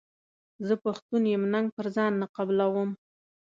زه پښتون یم ننګ پر ځان نه قبلووم.